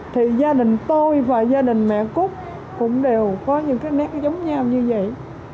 thì gia đình tôi và gia đình mẹ cúc cũng đều có những cái nét giống nhau như vậy